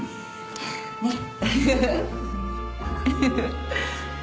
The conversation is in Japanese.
ねっ